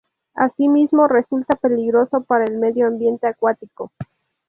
Así mismo, resulta peligroso para el medio ambiente acuático.